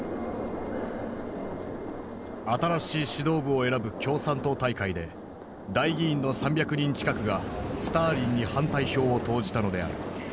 新しい指導部を選ぶ共産党大会で代議員の３００人近くがスターリンに反対票を投じたのである。